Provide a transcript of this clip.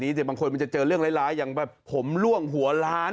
นี้ิเสียบางคนมันจะเจอเรื่องไร้อย่างแบบผมล่วงหัวล้าน